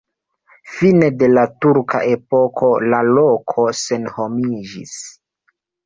Fine de la turka epoko la loko senhomiĝis.